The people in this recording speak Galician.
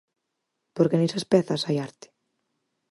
Porque nesas pezas hai arte.